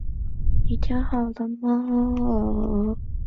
阔柄杜鹃为杜鹃花科杜鹃属下的一个种。